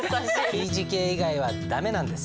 Ｔ字形以外は駄目なんです。